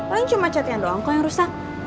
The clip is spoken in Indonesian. lain cuma catnya doang kok yang rusak